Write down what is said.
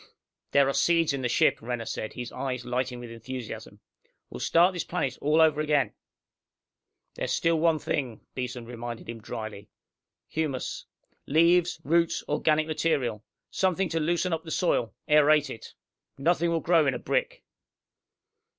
"There are seeds in the ship," Renner said, his eyes lighting with enthusiasm. "We'll start this planet all over again!" "There's still one thing," Beeson reminded him drily. "Humus! Leaves, roots, organic material! Something to loosen up the soil, aerate it. Nothing will grow in a brick."